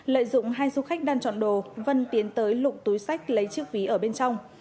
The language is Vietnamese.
lợi dụng hai du khách đang chọn đồ vân tiến tới lụng túi sách lấy chiếc ví ở bên trong